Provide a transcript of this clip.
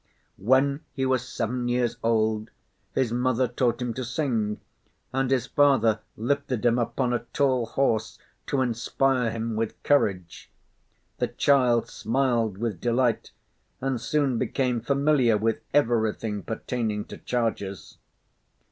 When he was seven years old his mother taught him to sing, and his father lifted him upon a tall horse, to inspire him with courage. The child smiled with delight, and soon became familiar with everything pertaining to chargers.